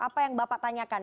apa yang bapak tanyakan